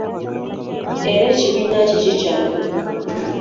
Era ekibiina kye kikyaliwo.